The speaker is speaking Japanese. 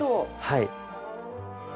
はい。